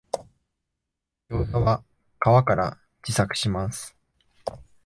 ギョウザは皮から自作します